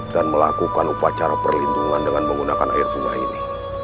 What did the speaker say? dan melakukan upacara perlindungan dengan menggunakan air bunga ini